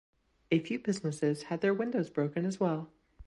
A few businesses had their windows broken as well.